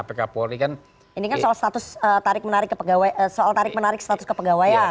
ini kan soal status tarik menarik ke pegawaian